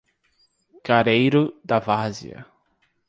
Careiro da Várzea